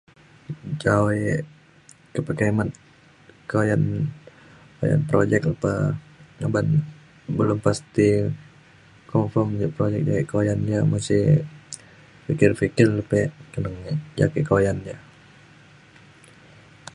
ca e kepekimet ke uyan projek lepa uban belum pasti confirm ja projek ke uyan ia’ masih fikir fikir pe teneng e ja ke kuyan ja